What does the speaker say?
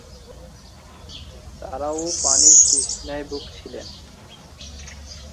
তারাও পানির তৃষ্ণায় ভুগছিলেন।